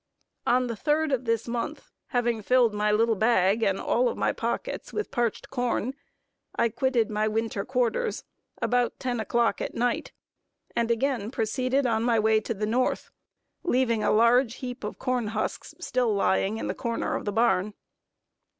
On the third of this month, having filled my little bag and all my pockets with parched corn, I quitted my winter quarters about ten o'clock at night, and again proceeded on my way to the North, leaving a large heap of corn husks still lying in the corner of the barn.